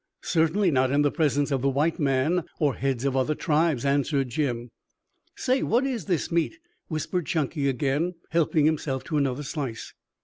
"Certainly not in the presence of the white man or heads of other tribes," answered Jim. "Say, what is this meat?" whispered Chunky again, helping himself to another slice.